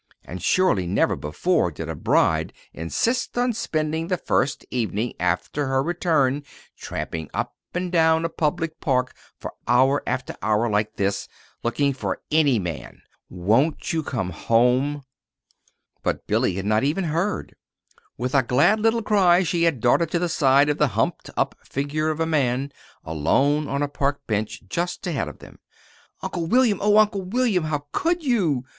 And surely never before did a bride insist on spending the first evening after her return tramping up and down a public park for hour after hour like this, looking for any man. Won't you come home?" But Billy had not even heard. With a glad little cry she had darted to the side of the humped up figure of a man alone on a park bench just ahead of them. "Uncle William! Oh, Uncle William, how could you?"